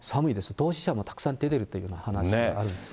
凍死者もたくさん出てるというふうな話もあるんですね。